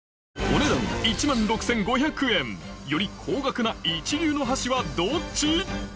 お値段１万６５００円より高額な一流の箸はどっち？